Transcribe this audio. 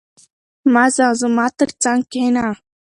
مه ځه، زما تر څنګ کښېنه.